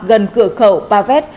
gần cửa khẩu pa vét